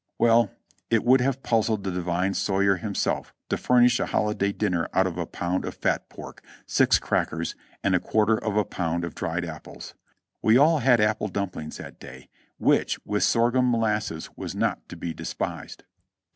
Well ! it would have puzzled the divine Soyer himself to furnish a holiday dinner out of a pound of fat pork, six crackers and a quarter of a pound of dried apples. We all had apple dumplings that day, ^^•hich with sorghum mo lasses was not to be despised.